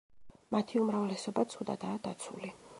მათი უმრავლესობა ცუდადაა დაცული.